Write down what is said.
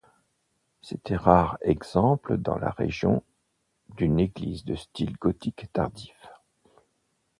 C'est un rare exemple dans la région d'une église de style gothique tardif.